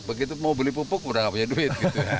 begitu mau beli pupuk udah gak punya duit